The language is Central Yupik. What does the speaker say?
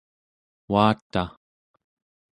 uataᵉ